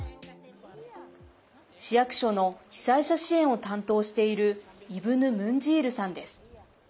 市役所の被災者支援を担当しているイブヌ・ムンジールさんです。